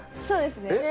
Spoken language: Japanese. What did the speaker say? そうですね。